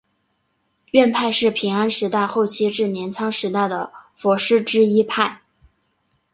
院派是平安时代后期至镰仓时代的佛师之一派。